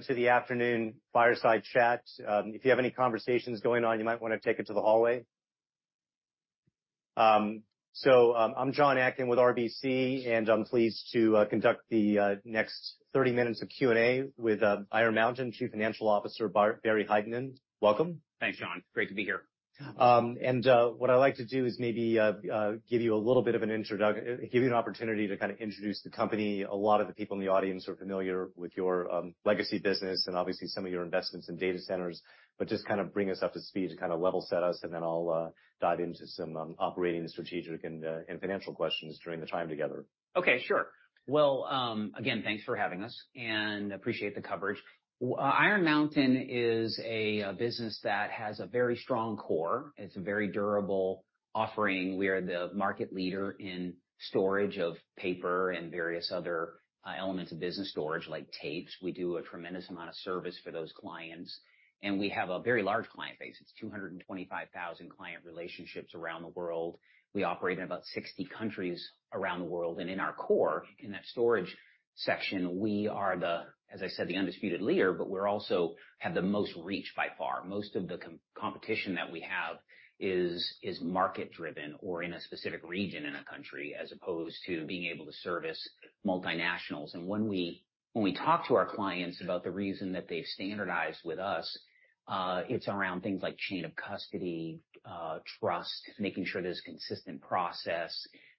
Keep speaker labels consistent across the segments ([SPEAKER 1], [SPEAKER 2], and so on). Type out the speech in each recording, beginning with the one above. [SPEAKER 1] Welcome to the afternoon fireside chat. If you have any conversations going on, you might want to take it to the hallway. So, I'm Jonathan Atkin with RBC, and I'm pleased to conduct the next 30 minutes of Q&A with Iron Mountain Chief Financial Officer, Barry Hytinen. Welcome.
[SPEAKER 2] Thanks, John. Great to be here.
[SPEAKER 1] And what I'd like to do is maybe give you an opportunity to kind of introduce the company. A lot of the people in the audience are familiar with your legacy business and obviously some of your investments in data centers, but just kind of bring us up to speed to kind of level set us, and then I'll dive into some operating, strategic, and financial questions during the time together.
[SPEAKER 2] Okay, sure. Well, again, thanks for having us, and appreciate the coverage. Iron Mountain is a business that has a very strong core. It's a very durable offering. We are the market leader in storage of paper and various other elements of business storage, like tapes. We do a tremendous amount of service for those clients, and we have a very large client base. It's 225,000 client relationships around the world. We operate in about 60 countries around the world, and in our core, in that storage section, we are the, as I said, the undisputed leader, but we're also have the most reach by far. Most of the competition that we have is market driven or in a specific region in a country, as opposed to being able to service multinationals. When we talk to our clients about the reason that they've standardized with us, it's around things like chain of custody, trust, making sure there's consistent process,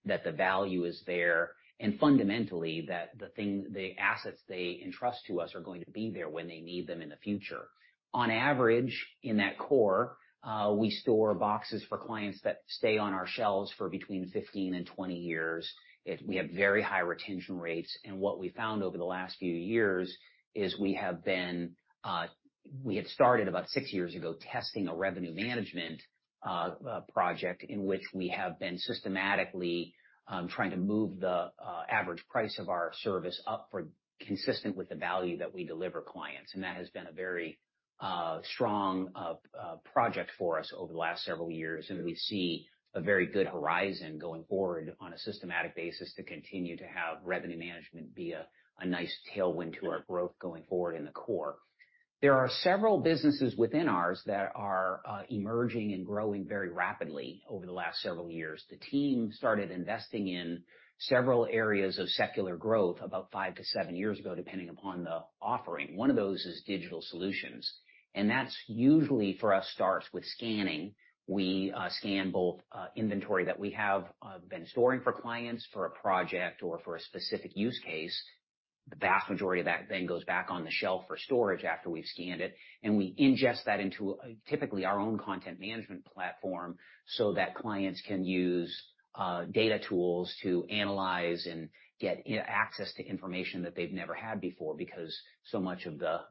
[SPEAKER 2] that the value is there, and fundamentally, the assets they entrust to us are going to be there when they need them in the future. On average, in that core, we store boxes for clients that stay on our shelves for between 15 years and 20 years. We have very high retention rates, and what we found over the last few years is we have been. We had started about 6 years ago, testing a revenue management project in which we have been systematically trying to move the average price of our service up, consistent with the value that we deliver clients. That has been a very strong project for us over the last several years, and we see a very good horizon going forward on a systematic basis to continue to have revenue management be a nice tailwind to our growth going forward in the core. There are several businesses within ours that are emerging and growing very rapidly over the last several years. The team started investing in several areas of secular growth about five to seven years ago, depending upon the offering. One of those is digital solutions, and that's usually for us starts with scanning. We scan both inventory that we have been storing for clients for a project or for a specific use case. The vast majority of that then goes back on the shelf for storage after we've scanned it, and we ingest that into, typically, our own content management platform, so that clients can use data tools to analyze and get access to information that they've never had before, because so much of the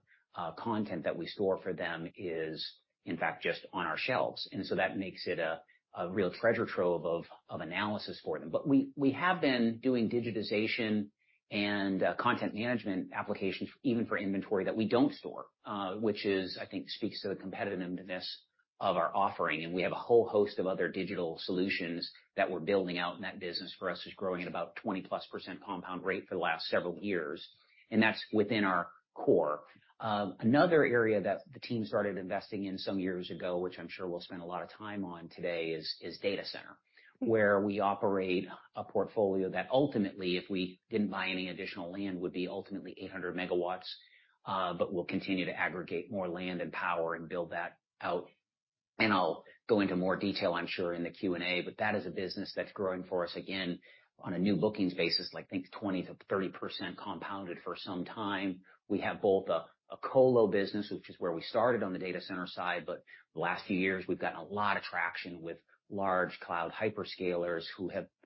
[SPEAKER 2] content that we store for them is, in fact, just on our shelves. And so that makes it a real treasure trove of analysis for them. But we have been doing digitization and content management applications, even for inventory that we don't store, which is, I think, speaks to the competitiveness of our offering. And we have a whole host of other digital solutions that we're building out, and that business for us is growing at about 20+% compound rate for the last several years, and that's within our core. Another area that the team started investing in some years ago, which I'm sure we'll spend a lot of time on today, is data center. Where we operate a portfolio that ultimately, if we didn't buy any additional land, would be ultimately 800 MW, but we'll continue to aggregate more land and power and build that out. And I'll go into more detail, I'm sure, in the Q&A, but that is a business that's growing for us, again, on a new bookings basis, I think 20%-30% compounded for some time. We have both a colo business, which is where we started on the data center side, but the last few years, we've gotten a lot of traction with large cloud hyperscalers.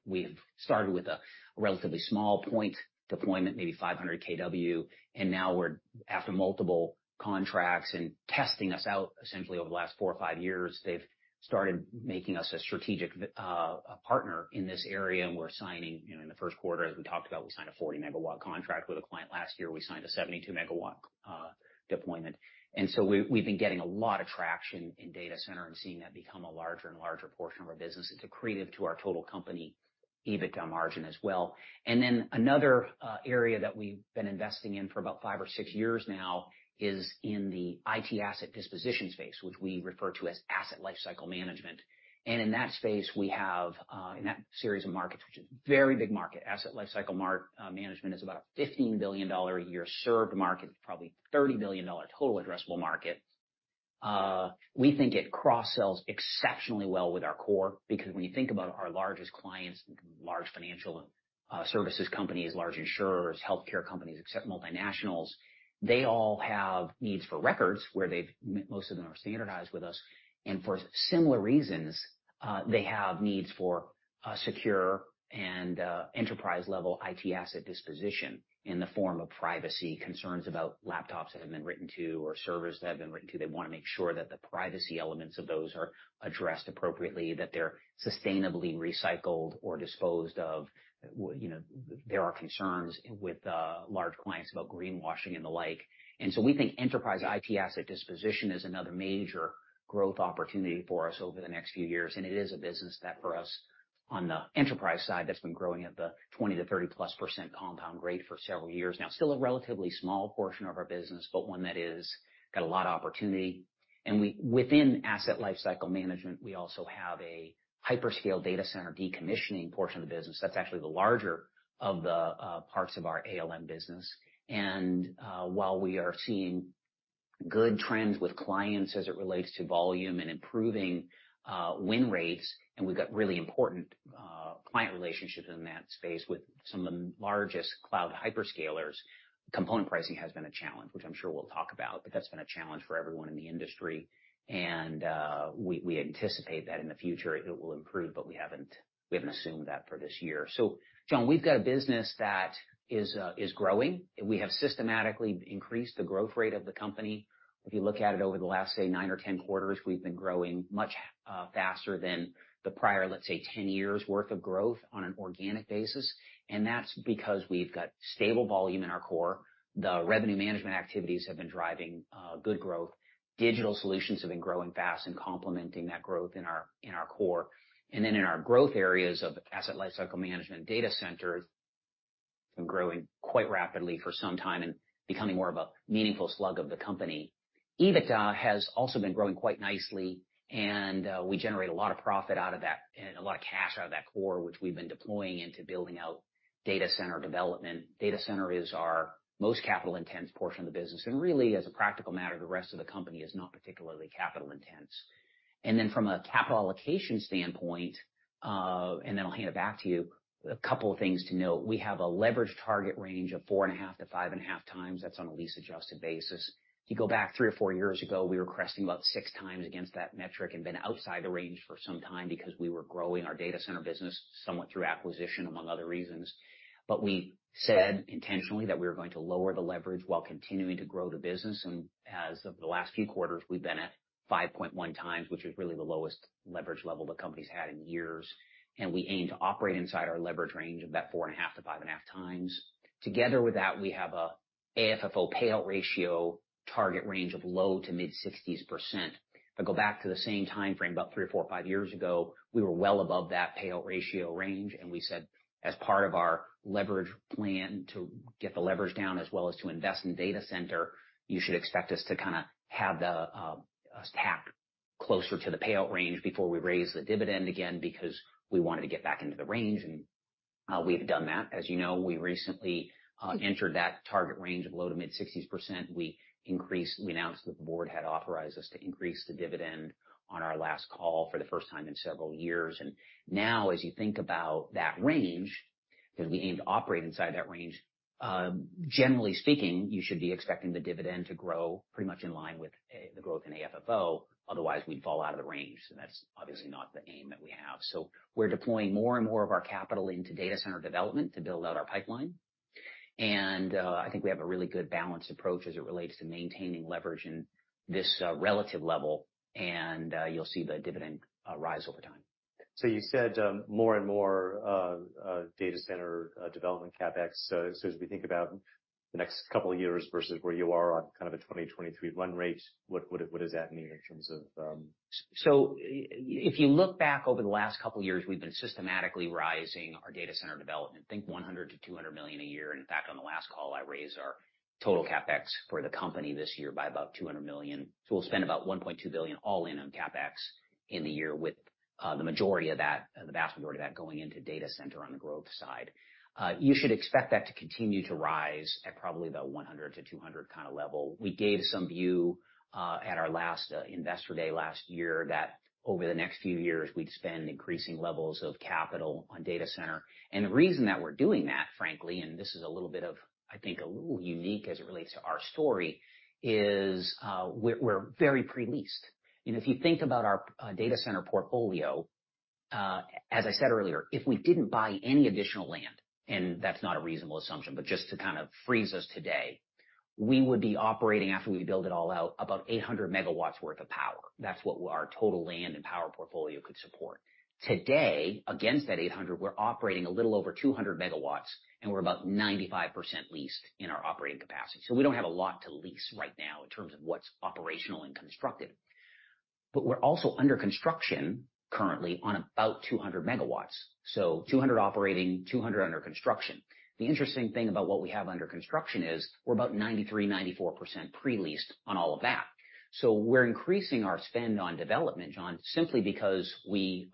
[SPEAKER 2] We have started with a relatively small point deployment, maybe 500 kW, and now we're after multiple contracts and testing us out essentially over the last four years or five years, they've started making us a strategic partner in this area. We're signing, you know, in the first quarter, as we talked about, we signed a 40-MW contract with a client. Last year, we signed a 72-MW deployment. So we've been getting a lot of traction in data center and seeing that become a larger and larger portion of our business. It's accretive to our total company EBITDA margin as well. And then another area that we've been investing in for about five years or six years now is in the IT asset disposition space, which we refer to as Asset Lifecycle Management. And in that space, we have, in that series of markets, which is a very big market. Asset Lifecycle Management is about a $15 billion a year served market, probably $30 billion total addressable market. We think it cross-sells exceptionally well with our core, because when you think about our largest clients, large financial and services companies, large insurers, healthcare companies, except multinationals, they all have needs for records where most of them are standardized with us, and for similar reasons, they have needs for a secure and enterprise-level IT asset disposition in the form of privacy concerns about laptops that have been written to or servers that have been written to. They want to make sure that the privacy elements of those are addressed appropriately, that they're sustainably recycled or disposed of. You know, there are concerns with large clients about greenwashing and the like. And so we think enterprise IT asset disposition is another major growth opportunity for us over the next few years, and it is a business that, for us. On the enterprise side, that's been growing at the 20%-30%+ compound rate for several years now. Still a relatively small portion of our business, but one that is got a lot of opportunity. And within Asset Lifecycle Management, we also have a hyperscale data center decommissioning portion of the business, that's actually the larger of the parts of our ALM business. And while we are seeing good trends with clients as it relates to volume and improving win rates, and we've got really important client relationships in that space with some of the largest cloud hyperscalers, component pricing has been a challenge, which I'm sure we'll talk about, but that's been a challenge for everyone in the industry. And we anticipate that in the future, it will improve, but we haven't assumed that for this year. So, John, we've got a business that is growing. We have systematically increased the growth rate of the company. If you look at it over the last, say, nine or 10 quarters, we've been growing much faster than the prior, let's say, 10 years' worth of growth on an organic basis. And that's because we've got stable volume in our core. The revenue management activities have been driving good growth. Digital solutions have been growing fast and complementing that growth in our core. And then in our growth areas of Asset Lifecycle Management and data center have been growing quite rapidly for some time and becoming more of a meaningful slug of the company. EBITDA has also been growing quite nicely, and, we generate a lot of profit out of that and a lot of cash out of that core, which we've been deploying into building out data center development. Data center is our most capital-intense portion of the business, and really, as a practical matter, the rest of the company is not particularly capital intense. And then from a capital allocation standpoint, and then I'll hand it back to you. A couple of things to note: we have a leverage target range of 4.5x-5.5x. That's on a lease-adjusted basis. If you go back three or four years ago, we were cresting about 6x against that metric and been outside the range for some time because we were growing our data center business somewhat through acquisition, among other reasons. We said intentionally, that we were going to lower the leverage while continuing to grow the business, and as of the last few quarters, we've been at 5.1x, which is really the lowest leverage level the company's had in years. We aim to operate inside our leverage range of that 4.5x-5.5x. Together with that, we have an AFFO payout ratio target range of low-to-mid 60s%. If I go back to the same time frame, about three or four or five years ago, we were well above that payout ratio range, and we said, as part of our leverage plan to get the leverage down, as well as to invest in data center, you should expect us to kind of have the stack closer to the payout range before we raise the dividend again, because we wanted to get back into the range, and we've done that. As you know, we recently entered that target range of low- to mid-60s%. We announced that the board had authorized us to increase the dividend on our last call for the first time in several years. And now, as you think about that range, because we aim to operate inside that range, generally speaking, you should be expecting the dividend to grow pretty much in line with the growth in AFFO. Otherwise, we'd fall out of the range, and that's obviously not the aim that we have. So we're deploying more and more of our capital into data center development to build out our pipeline. And I think we have a really good balanced approach as it relates to maintaining leverage in this relative level, and you'll see the dividend rise over time.
[SPEAKER 1] So you said, more and more, data center development CapEx. So as we think about the next couple of years versus where you are on kind of a 2023 run rate, what does that mean in terms of?
[SPEAKER 2] So if you look back over the last couple of years, we've been systematically rising our data center development, think $100 million-$200 million a year. In fact, on the last call, I raised our total CapEx for the company this year by about $200 million. So we'll spend about $1.2 billion all in on CapEx in the year, with the majority of that, the vast majority of that, going into data center on the growth side. You should expect that to continue to rise at probably the $100-$200 kind of level. We gave some view at our last Investor Day last year, that over the next few years, we'd spend increasing levels of capital on data center. The reason that we're doing that, frankly, and this is a little bit of, I think, a little unique as it relates to our story, is we're very pre-leased. You know, if you think about our data center portfolio, as I said earlier, if we didn't buy any additional land, and that's not a reasonable assumption, but just to kind of freeze us today, we would be operating, after we build it all out, about 800 MW worth of power. That's what our total land and power portfolio could support. Today, against that 800, we're operating a little over 200 MW, and we're about 95% leased in our operating capacity. So we don't have a lot to lease right now in terms of what's operational and constructive. But we're also under construction currently on about 200 MW, so 200 operating, 200 under construction. The interesting thing about what we have under construction is we're about 93%-94% pre-leased on all of that. So we're increasing our spend on development, John, simply because we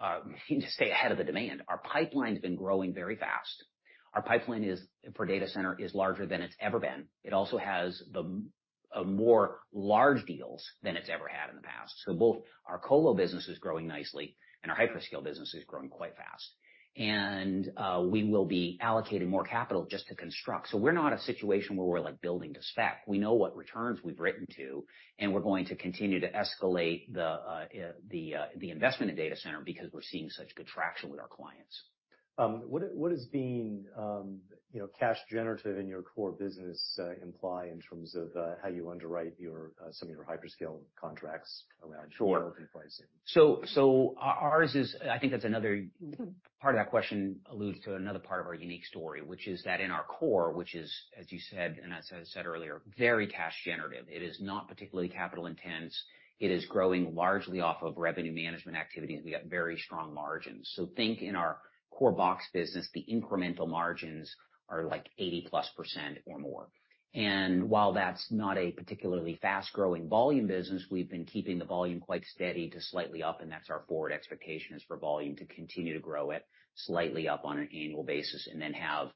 [SPEAKER 2] need to stay ahead of the demand. Our pipeline's been growing very fast. Our pipeline is, for data center, is larger than it's ever been. It also has more large deals than it's ever had in the past. So both our colo business is growing nicely and our hyperscale business is growing quite fast. And we will be allocating more capital just to construct. So we're not a situation where we're like building to spec. We know what returns we've written to, and we're going to continue to escalate the investment in data center because we're seeing such good traction with our clients.
[SPEAKER 1] What is being, you know, cash generative in your core business imply in terms of how you underwrite your some of your hyperscale contracts around-
[SPEAKER 2] Sure.
[SPEAKER 1] -pricing?
[SPEAKER 2] So ours is I think that's another part of that question alludes to another part of our unique story, which is that in our core, which is, as you said, and as I said earlier, very cash generative, it is not particularly capital intense. It is growing largely off of revenue management activity, and we got very strong margins. So think in our core box business, the incremental margins are like 80%+ or more. And while that's not a particularly fast-growing volume business, we've been keeping the volume quite steady to slightly up, and that's our forward expectation, is for volume to continue to grow at slightly up on an annual basis, and then have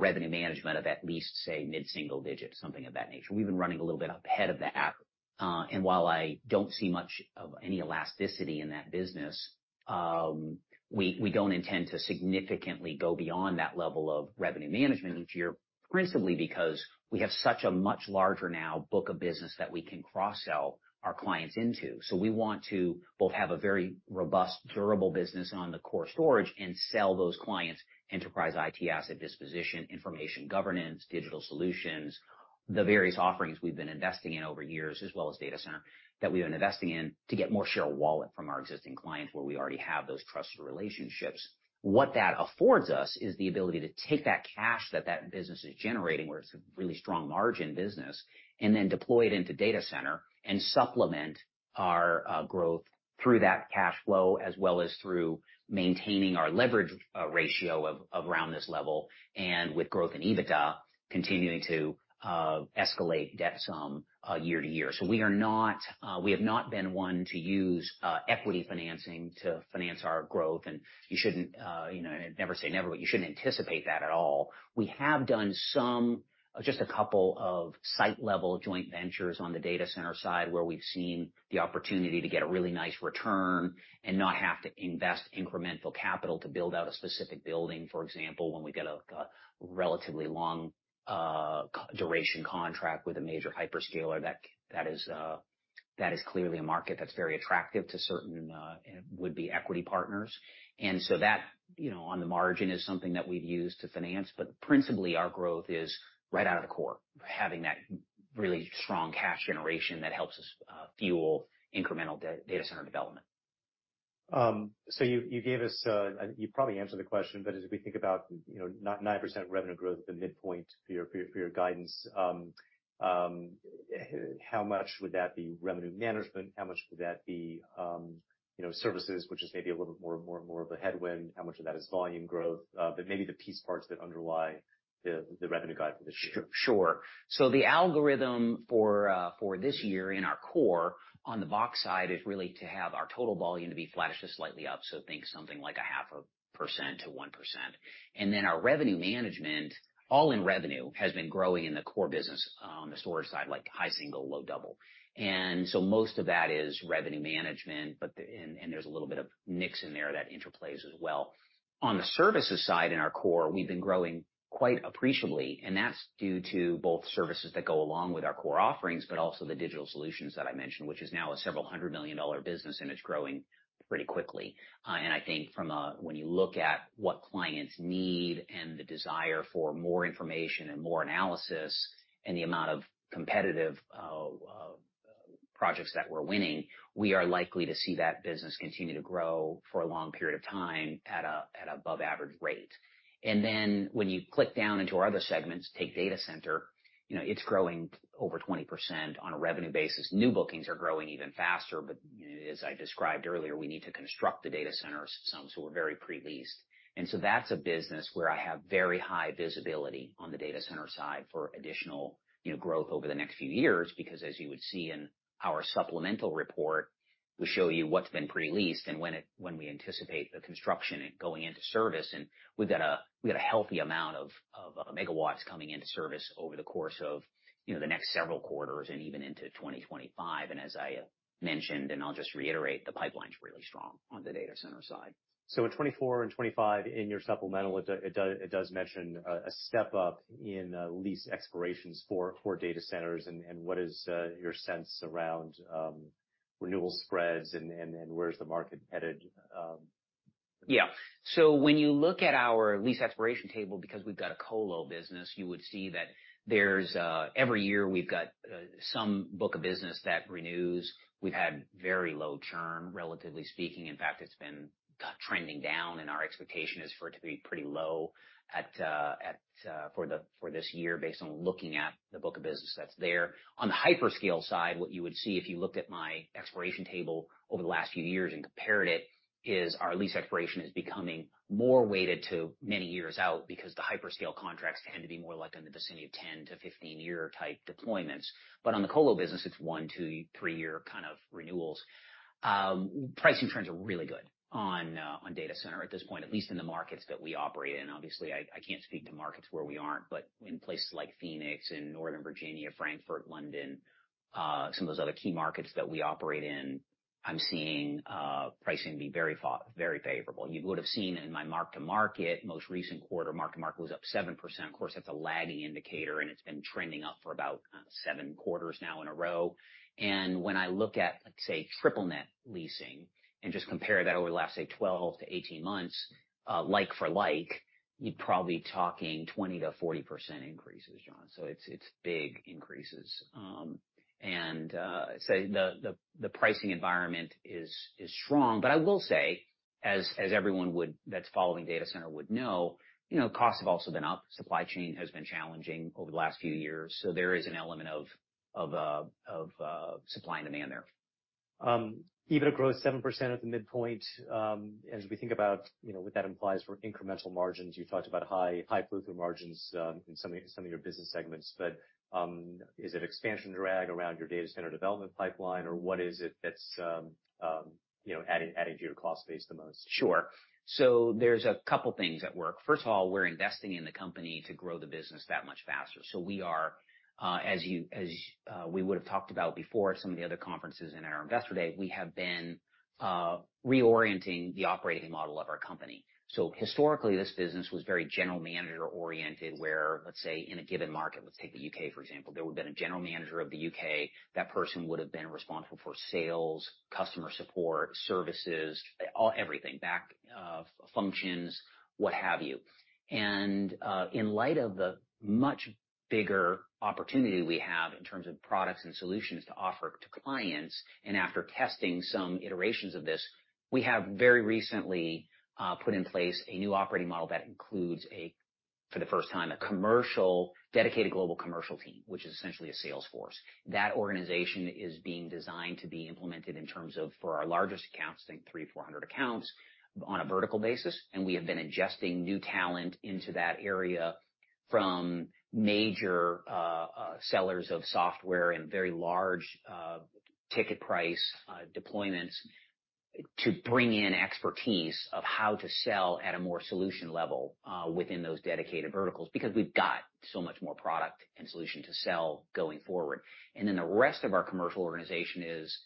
[SPEAKER 2] revenue management of at least, say, mid-single digit, something of that nature. We've been running a little bit ahead of that. And while I don't see much of any elasticity in that business, we don't intend to significantly go beyond that level of revenue management each year, principally because we have such a much larger now book of business that we can cross-sell our clients into. So we want to both have a very robust, durable business on the core storage and sell those clients enterprise IT asset disposition, information governance, digital solutions, the various offerings we've been investing in over years, as well as data center that we've been investing in to get more share of wallet from our existing clients, where we already have those trusted relationships. What that affords us is the ability to take that cash that that business is generating, where it's a really strong margin business, and then deploy it into data center and supplement our growth through that cash flow, as well as through maintaining our leverage ratio of around this level, and with growth in EBITDA, continuing to escalate debt some year to year. So we are not, we have not been one to use equity financing to finance our growth, and you shouldn't you know, never say never, but you shouldn't anticipate that at all. We have done some. Just a couple of site-level joint ventures on the data center side, where we've seen the opportunity to get a really nice return and not have to invest incremental capital to build out a specific building. For example, when we get a relatively long duration contract with a major hyperscaler, that is clearly a market that's very attractive to certain would-be equity partners. And so that, you know, on the margin, is something that we've used to finance, but principally, our growth is right out of the core, having that really strong cash generation that helps us fuel incremental data center development.
[SPEAKER 1] So you, you gave us, you probably answered the question, but as we think about, you know, not 9% revenue growth at the midpoint for your, for your guidance, how much would that be revenue management? How much would that be, you know, services, which is maybe a little bit more, more, more of a headwind? How much of that is volume growth? But maybe the piece parts that underlie the, the revenue guide for this year.
[SPEAKER 2] Sure. So the algorithm for, for this year in our core, on the box side, is really to have our total volume to be flat to slightly up, so think something like 0.5%-1%. And then our revenue management, all-in revenue, has been growing in the core business, on the storage side, like high single-digit, low double-digit. And so most of that is revenue management, but, and there's a little bit of mix in there that interplays as well. On the services side, in our core, we've been growing quite appreciably, and that's due to both services that go along with our core offerings, but also the digital solutions that I mentioned, which is now a $several hundred million business, and it's growing pretty quickly. and I think from when you look at what clients need and the desire for more information and more analysis, and the amount of competitive projects that we're winning, we are likely to see that business continue to grow for a long period of time at above average rate. And then, when you click down into our other segments, take data center, you know, it's growing over 20% on a revenue basis. New bookings are growing even faster, but as I described earlier, we need to construct the data centers some, so we're very pre-leased. And so that's a business where I have very high visibility on the data center side for additional, you know, growth over the next few years, because as you would see in our supplemental report, we show you what's been pre-leased and when we anticipate the construction and going into service, and we've got a healthy amount of megawatts coming into service over the course of, you know, the next several quarters and even into 2025. As I mentioned, and I'll just reiterate, the pipeline's really strong on the data center side.
[SPEAKER 1] So in 2024 and 2025, in your supplemental, it does mention a step up in lease expirations for core data centers, and what is your sense around renewal spreads and where's the market headed?
[SPEAKER 2] Yeah. So when you look at our lease expiration table, because we've got a colo business, you would see that there's every year we've got some book of business that renews. We've had very low churn, relatively speaking. In fact, it's been trending down, and our expectation is for it to be pretty low for this year, based on looking at the book of business that's there. On the hyperscale side, what you would see if you looked at my expiration table over the last few years and compared it, is our lease expiration is becoming more weighted to many years out because the hyperscale contracts tend to be more like on the vicinity of 10-15-year type deployments. But on the colo business, it's one, two, three-year kind of renewals. Pricing trends are really good on data center at this point, at least in the markets that we operate in. Obviously, I can't speak to markets where we aren't, but in places like Phoenix and Northern Virginia, Frankfurt, London, some of those other key markets that we operate in, I'm seeing pricing be very favorable. You would have seen in my Mark-to-Market most recent quarter, Mark-to-Market was up 7%. Of course, that's a lagging indicator, and it's been trending up for about 7 quarters now in a row. And when I look at, let's say, triple-net leasing and just compare that over the last 12-18 months, like for like, you're probably talking 20%-40% increases, John. So it's big increases. So the pricing environment is strong, but I will say, as everyone that's following data center would know, you know, costs have also been up. Supply chain has been challenging over the last few years, so there is an element of supply and demand there. ...
[SPEAKER 1] even to grow 7% at the midpoint, as we think about, you know, what that implies for incremental margins, you talked about high, high flow-through margins, in some of, some of your business segments. But, is it expansion drag around your data center development pipeline, or what is it that's, you know, adding, adding to your cost base the most?
[SPEAKER 2] Sure. So there's a couple things at work. First of all, we're investing in the company to grow the business that much faster. So we are, as we would have talked about before at some of the other conferences in our Investor Day, we have been reorienting the operating model of our company. So historically, this business was very general manager oriented, where, let's say, in a given market, let's take the U.K., for example, there would have been a general manager of the U.K. That person would have been responsible for sales, customer support, services, everything, back functions, what have you. In light of the much bigger opportunity we have in terms of products and solutions to offer to clients, and after testing some iterations of this, we have very recently put in place a new operating model that includes, for the first time, a dedicated global commercial team, which is essentially a sales force. That organization is being designed to be implemented in terms of, for our largest accounts, think 300-400 accounts, on a vertical basis. And we have been adjusting new talent into that area from major sellers of software and very large ticket price deployments, to bring in expertise of how to sell at a more solution level within those dedicated verticals, because we've got so much more product and solution to sell going forward. And then the rest of our commercial organization is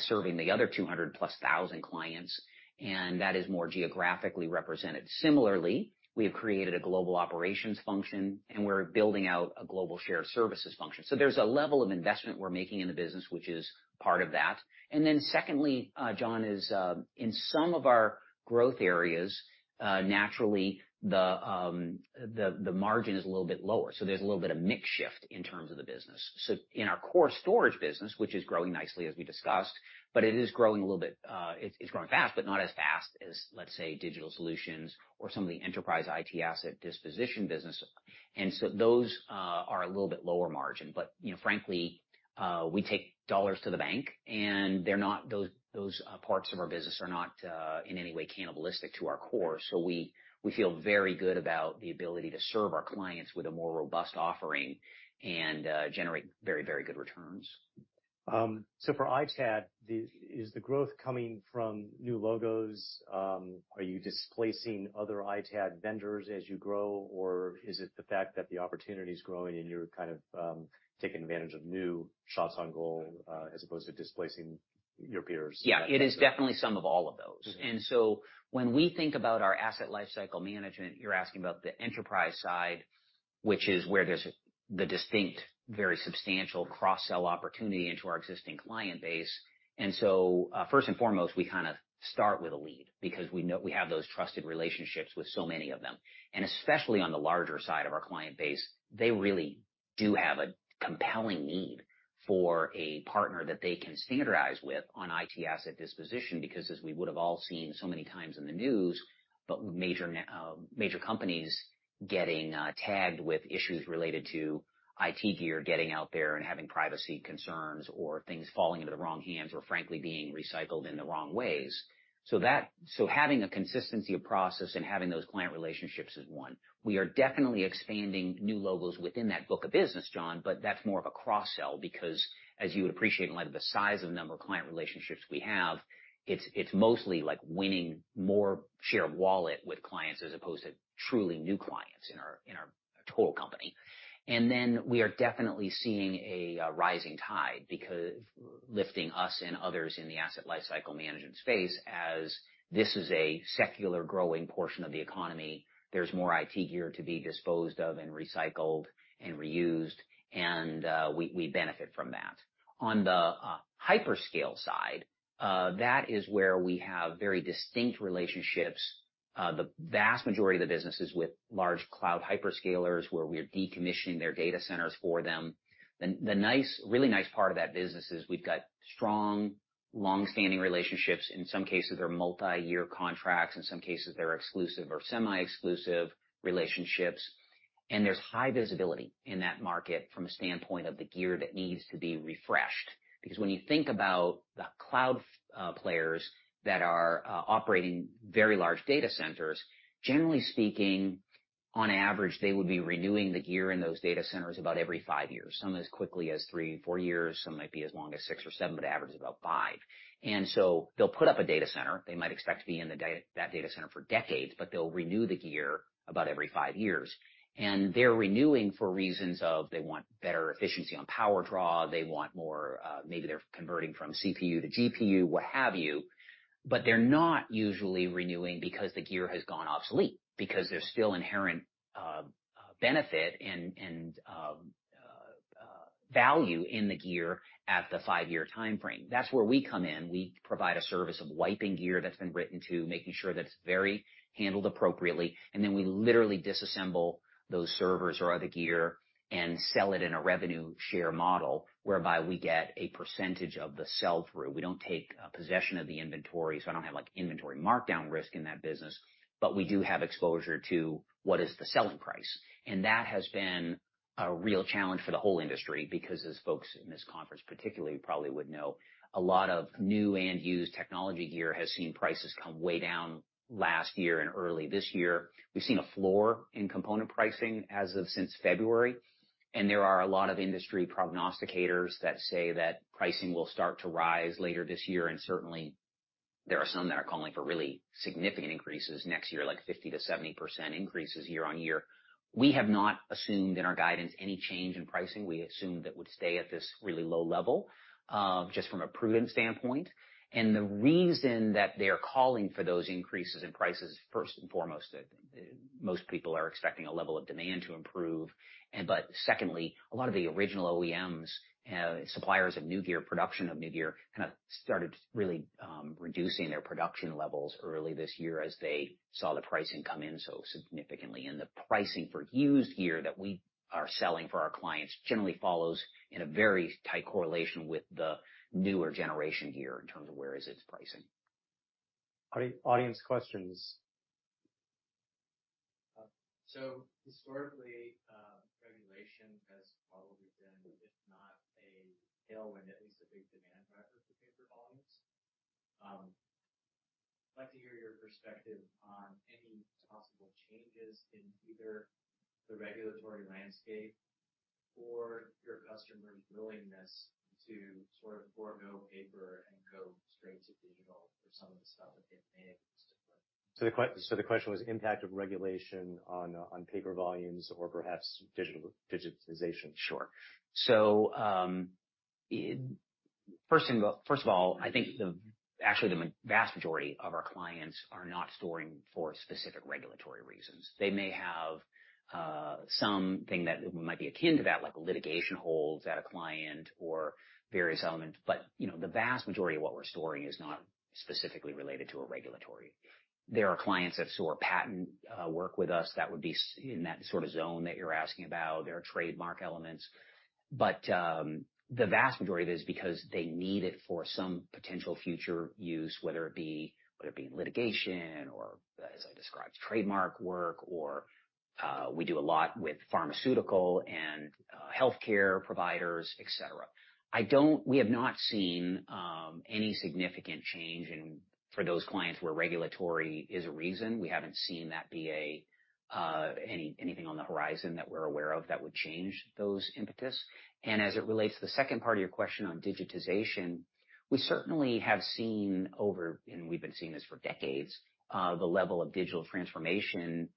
[SPEAKER 2] serving the other 200+ thousand clients, and that is more geographically represented. Similarly, we have created a global operations function, and we're building out a global shared services function. So there's a level of investment we're making in the business, which is part of that. And then secondly, John, is in some of our growth areas, naturally, the margin is a little bit lower, so there's a little bit of mix shift in terms of the business. So in our core storage business, which is growing nicely, as we discussed, but it is growing a little bit. It's growing fast, but not as fast as, let's say, digital solutions or some of the enterprise IT asset disposition business. Those are a little bit lower margin, but, you know, frankly, we take dollars to the bank, and they're not. Those parts of our business are not in any way cannibalistic to our core. We feel very good about the ability to serve our clients with a more robust offering and generate very, very good returns.
[SPEAKER 1] So for ITAD, is the growth coming from new logos? Are you displacing other ITAD vendors as you grow, or is it the fact that the opportunity is growing, and you're kind of taking advantage of new shots on goal, as opposed to displacing your peers?
[SPEAKER 2] Yeah, it is definitely some of all of those.
[SPEAKER 1] Mm-hmm.
[SPEAKER 2] And so when we think about our Asset Lifecycle Management, you're asking about the enterprise side, which is where there's the distinct, very substantial cross-sell opportunity into our existing client base. And so, first and foremost, we kind of start with a lead because we know we have those trusted relationships with so many of them, and especially on the larger side of our client base, they really do have a compelling need for a partner that they can standardize with on IT asset disposition, because as we would have all seen so many times in the news, but major, major companies getting tagged with issues related to IT gear getting out there and having privacy concerns or things falling into the wrong hands or frankly, being recycled in the wrong ways. So that having a consistency of process and having those client relationships is one. We are definitely expanding new logos within that book of business, John, but that's more of a cross-sell because as you would appreciate, in light of the size of the number of client relationships we have, it's mostly like winning more share of wallet with clients as opposed to truly new clients in our total company. And then we are definitely seeing a rising tide because lifting us and others in the Asset Lifecycle Management space, as this is a secular growing portion of the economy, there's more IT gear to be disposed of and recycled and reused, and we benefit from that. On the hyperscale side, that is where we have very distinct relationships. The vast majority of the business is with large cloud hyperscalers, where we are decommissioning their data centers for them. The really nice part of that business is we've got strong, long-standing relationships. In some cases, they're multiyear contracts, in some cases, they're exclusive or semi-exclusive relationships. And there's high visibility in that market from a standpoint of the gear that needs to be refreshed. Because when you think about the cloud players that are operating very large data centers, generally speaking, on average, they would be renewing the gear in those data centers about every 5 years. Some as quickly as 3-4 years, some might be as long as 6 or 7, but average is about 5. And so they'll put up a data center, they might expect to be in that data center for decades, but they'll renew the gear about every 5 years. And they're renewing for reasons of they want better efficiency on power draw, they want more, maybe they're converting from CPU to GPU, what have you. But they're not usually renewing because the gear has gone obsolete, because there's still inherent benefit and value in the gear at the five-year timeframe. That's where we come in. We provide a service of wiping gear that's been written to, making sure that it's very handled appropriately, and then we literally disassemble those servers or other gear and sell it in a revenue share model, whereby we get a percentage of the sell through. We don't take possession of the inventory, so I don't have inventory markdown risk in that business, but we do have exposure to what is the selling price, and that has been...... A real challenge for the whole industry, because as folks in this conference particularly probably would know, a lot of new and used technology gear has seen prices come way down last year and early this year. We've seen a floor in component pricing as of since February, and there are a lot of industry prognosticators that say that pricing will start to rise later this year, and certainly there are some that are calling for really significant increases next year, like 50%-70% increases year on year. We have not assumed in our guidance any change in pricing. We assumed it would stay at this really low level, just from a prudent standpoint. And the reason that they are calling for those increases in prices, first and foremost, most people are expecting a level of demand to improve. But secondly, a lot of the original OEMs, suppliers of new gear, production of new gear, kind of started really reducing their production levels early this year as they saw the pricing come in so significantly. The pricing for used gear that we are selling for our clients generally follows in a very tight correlation with the newer generation gear in terms of where is its pricing.
[SPEAKER 1] Audience questions.
[SPEAKER 3] So historically, regulation has probably been, if not a tailwind, at least a big demand driver for paper volumes. I'd like to hear your perspective on any possible changes in either the regulatory landscape or your customers' willingness to sort of forego paper and go straight to digital for some of the stuff that they may have missed it with.
[SPEAKER 1] So the question was impact of regulation on paper volumes or perhaps digitization.
[SPEAKER 2] Sure. So, first of all, I think actually, the vast majority of our clients are not storing for specific regulatory reasons. They may have something that might be akin to that, like litigation holds at a client or various elements, but, you know, the vast majority of what we're storing is not specifically related to a regulatory. There are clients that store patent work with us that would be in that sort of zone that you're asking about. There are trademark elements, but the vast majority of it is because they need it for some potential future use, whether it be, whether it be in litigation or, as I described, trademark work, or we do a lot with pharmaceutical and healthcare providers, et cetera. We have not seen any significant change in, for those clients where regulatory is a reason. We haven't seen that be anything on the horizon that we're aware of that would change those impetuses. And as it relates to the second part of your question on digitization, we certainly have seen over, and we've been seeing this for decades, the level of digital transformation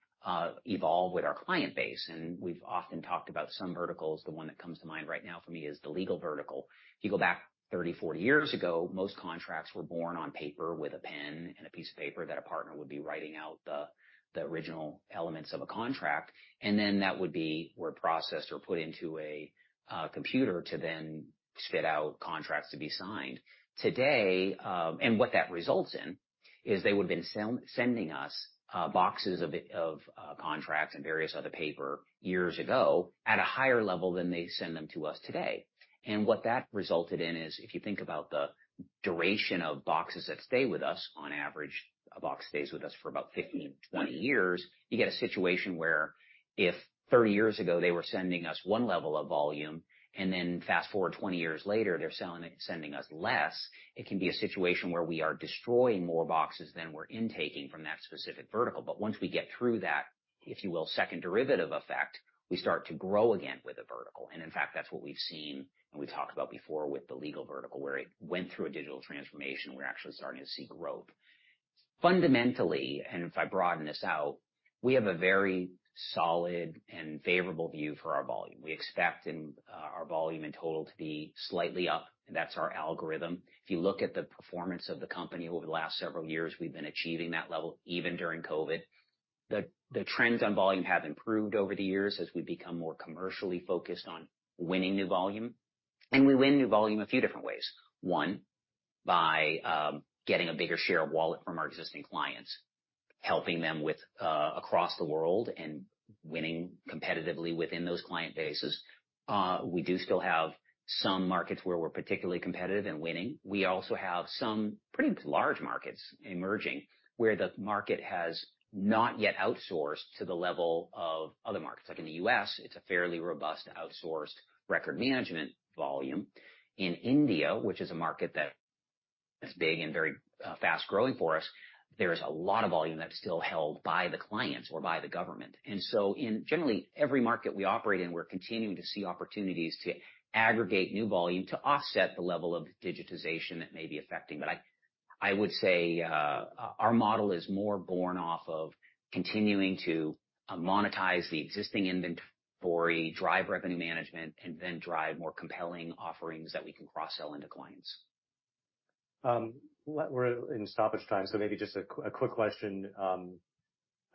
[SPEAKER 2] evolve with our client base, and we've often talked about some verticals. The one that comes to mind right now for me is the legal vertical. If you go back 30, 40 years ago, most contracts were born on paper with a pen and a piece of paper that a partner would be writing out the original elements of a contract, and then that would be word processed or put into a computer to then spit out contracts to be signed. Today, and what that results in, is they would have been sending us boxes of contracts and various other paper years ago at a higher level than they send them to us today. And what that resulted in is, if you think about the duration of boxes that stay with us, on average, a box stays with us for about 15, 20 years, you get a situation where if 30 years ago, they were sending us one level of volume, and then fast forward 20 years later, they're sending us less, it can be a situation where we are destroying more boxes than we're intaking from that specific vertical. But once we get through that, if you will, second derivative effect, we start to grow again with a vertical. And in fact, that's what we've seen and we talked about before with the legal vertical, where it went through a digital transformation, we're actually starting to see growth. Fundamentally, and if I broaden this out, we have a very solid and favorable view for our volume. We expect, and, our volume in total to be slightly up. That's our algorithm. If you look at the performance of the company over the last several years, we've been achieving that level, even during COVID. The trends on volume have improved over the years as we become more commercially focused on winning new volume. And we win new volume a few different ways. One, by, getting a bigger share of wallet from our existing clients, helping them with, across the world and winning competitively within those client bases. We do still have some markets where we're particularly competitive in winning. We also have some pretty large markets emerging, where the market has not yet outsourced to the level of other markets. Like in the U.S., it's a fairly robust outsourced record management volume. In India, which is a market that is big and very, fast-growing for us, there is a lot of volume that's still held by the clients or by the government. And so in generally every market we operate in, we're continuing to see opportunities to aggregate new volume to offset the level of digitization that may be affecting. But I, I would say, our model is more born off of continuing to, monetize the existing inventory, drive revenue management, and then drive more compelling offerings that we can cross-sell into clients.
[SPEAKER 1] We're in stoppage time, so maybe just a quick question.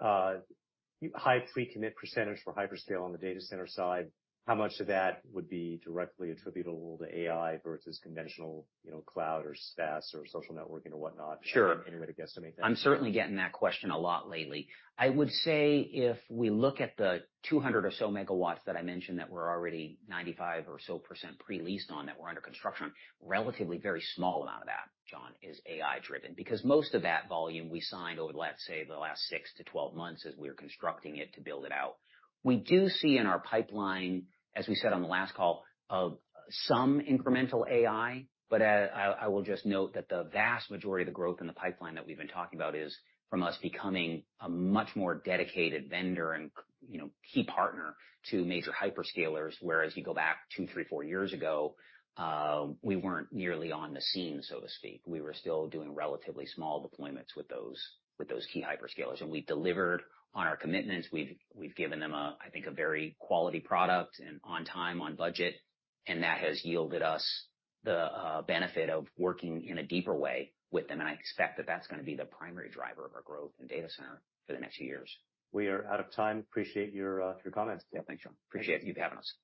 [SPEAKER 1] High pre-commit percentage for hyperscale on the data center side, how much of that would be directly attributable to AI versus conventional, you know, cloud or SaaS or social networking or whatnot?
[SPEAKER 2] Sure.
[SPEAKER 1] Any way to guesstimate that?
[SPEAKER 2] I'm certainly getting that question a lot lately. I would say, if we look at the 200 or so MW that I mentioned, that we're already 95% or so pre-leased on, that we're under construction, relatively very small amount of that, John, is AI-driven. Because most of that volume we signed over, let's say, the last six to 12 months as we were constructing it to build it out. We do see in our pipeline, as we said on the last call, of some incremental AI, but, I, I will just note that the vast majority of the growth in the pipeline that we've been talking about is from us becoming a much more dedicated vendor and, you know, key partner to major hyperscalers. Whereas you go back two years, three years, four years ago, we weren't nearly on the scene, so to speak. We were still doing relatively small deployments with those, with those key hyperscalers. We delivered on our commitments. We've, we've given them a, I think, a very quality product and on time, on budget, and that has yielded us the benefit of working in a deeper way with them, and I expect that that's gonna be the primary driver of our growth in data center for the next few years.
[SPEAKER 1] We are out of time. Appreciate your, your comments.
[SPEAKER 2] Yeah, thanks, John. Appreciate you for having us.